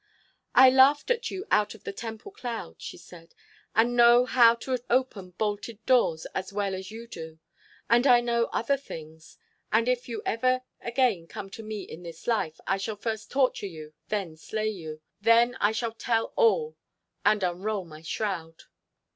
"I laughed at you out of the temple cloud," she said. "I know how to open bolted doors as well as you do. And I know other things. And if you ever again come to me in this life I shall first torture you, then slay you. Then I shall tell all!... and unroll my shroud."